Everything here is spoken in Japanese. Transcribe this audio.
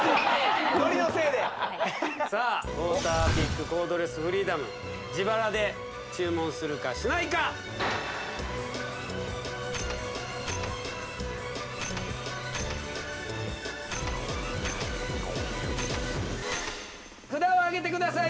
ノリのせいでさあウォーターピックコードレスフリーダム自腹で注文するかしないか札をあげてください